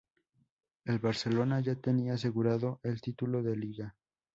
El Barcelona ya tenía asegurado el título de liga.